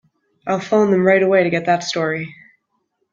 I'll phone them right away to get that story.